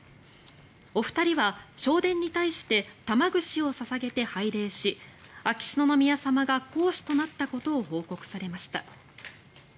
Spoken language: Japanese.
お二人は正殿に対して玉串を捧げて拝礼し秋篠宮さまが皇嗣となったことを報告されました。